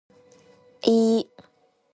这就是你龙哥呀